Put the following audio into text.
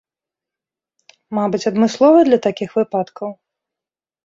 Мабыць, адмыслова для такіх выпадкаў?